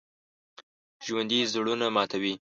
ژوندي زړونه ماتوي